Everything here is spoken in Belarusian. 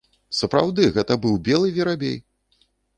Сапраўды, гэта быў белы верабей!